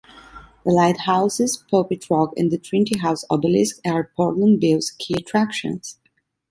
The lighthouses, Pulpit Rock and the Trinity House Obelisk are Portland Bill's key attractions.